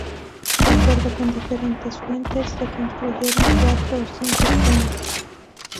De acuerdo con diferentes fuentes, se construyeron cuatro o cinco trenes.